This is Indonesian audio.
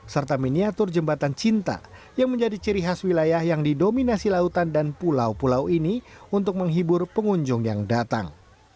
serta miniatur jembatan cinta yang menjadi ciri khas wilayah yang didominasi lautan dan pulau pulau ini untuk menghibur pengunjung yang datang